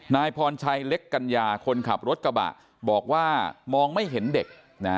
นายพรชัยเล็กกัญญาคนขับรถกระบะบอกว่ามองไม่เห็นเด็ก